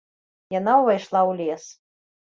Яна ўвайшла ў лес.